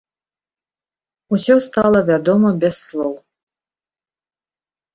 Усё стала вядома без слоў.